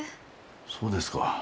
そうですか。